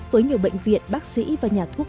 với nhiều bệnh viện bác sĩ và nhà thuốc